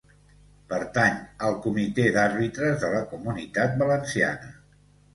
Pertany al Comitè d'Àrbitres de la Comunitat Valenciana.